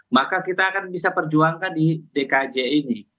maka kita akan bisa perjuangkan di dkj ini